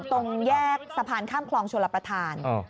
ตรงแยกสะพานข้ามคลองชลประธาน